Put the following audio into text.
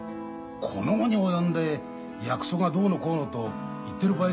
この期に及んで約束がどうのこうのと言ってる場合じゃねえだろ。